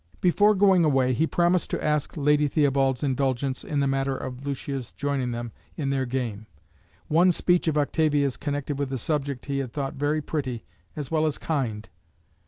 Before going away, he promised to ask Lady Theobald's indulgence in the matter of Lucia's joining them in their game. One speech of Octavia's, connected with the subject, he had thought very pretty, as well as kind.